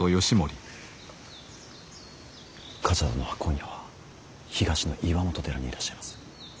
冠者殿は今夜は東の岩本寺にいらっしゃいます。